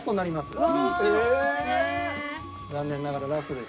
残念ながらラストです。